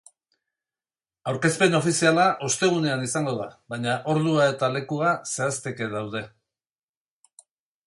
Aurkezpen ofiziala ostegunean izango da, baina ordua eta lekua zehazteke daude.